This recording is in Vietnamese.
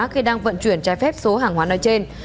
khi đang vận chuyển trái phép số hàng hóa nói trên